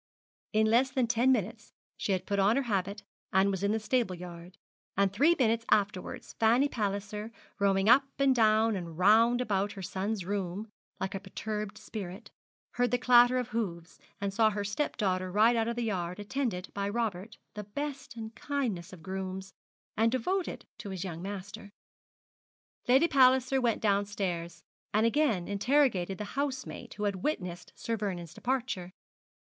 In less than ten minutes she had put on her habit, and was in the stable yard; and three minutes afterwards Fanny Palliser, roaming up and down and round about her son's room like a perturbed spirit, heard the clatter of hoofs, and saw her stepdaughter ride out of the yard attended by Robert, the best and kindest of grooms, and devoted to his young master. Lady Palliser went downstairs, and again interrogated the housemaid who had witnessed Sir Vernou's departure.